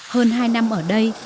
hơn hai năm ở đây